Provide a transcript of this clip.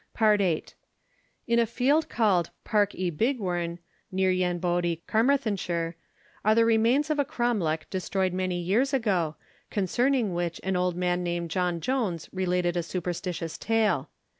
FOOTNOTE: 'Mabinogion,' 259. VIII. In a field called Parc y Bigwrn, near Llanboidy, Carmarthenshire, are the remains of a cromlech destroyed many years ago, concerning which an old man named John Jones related a superstitious tale.